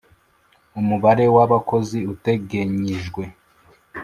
umubare w’abakozi utegenyijwe;